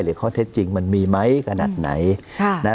หรือข้อเท็จจริงมันมีไหมกระหนักไหน